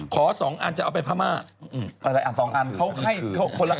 ขอสองอันจะเอาไปพระม่าอะไรอันสองอันเค้าให้คนละอัน